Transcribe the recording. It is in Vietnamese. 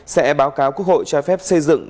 sẽ báo cáo quốc hội cho phép xây dựng